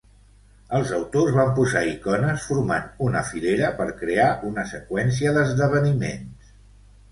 Els "autors" van posar icones formant una "filera" per crear una seqüència d'esdeveniments.